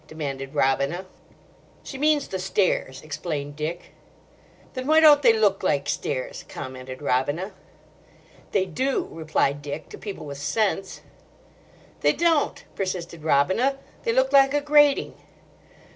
demanded Robina. "She means the stairs," explained Dick. "Then why don't they look like stairs?" commented Robina. "They do," replied Dick, "to people with sense." "They don't," persisted Robina, "they look like a grating."